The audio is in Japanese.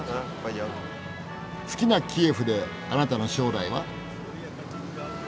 好きなキエフであなたの将来は？